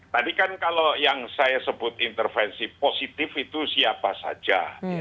tadi kan kalau yang saya sebut intervensi positif itu siapa saja